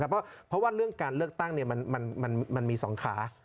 เพราะว่าเรื่องการเลือกตั้งมันมี๒ขา